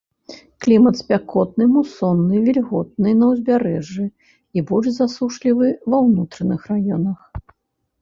Клімат спякотны, мусонны, вільготны на ўзбярэжжы і больш засушлівы ва ўнутраных раёнах.